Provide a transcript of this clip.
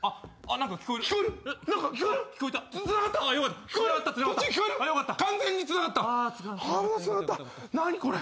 何これ。